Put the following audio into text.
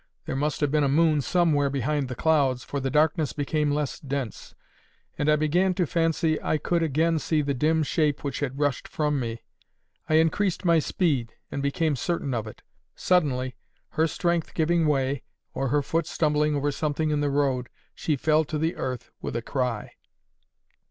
There must have been a moon somewhere behind the clouds, for the darkness became less dense, and I began to fancy I could again see the dim shape which had rushed from me. I increased my speed, and became certain of it. Suddenly, her strength giving way, or her foot stumbling over something in the road, she fell to the earth with a cry.